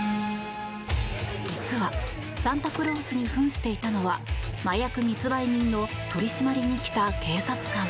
実はサンタクロースに扮していたのは麻薬密売人の取り締まりに来た警察官。